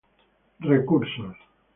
Recursos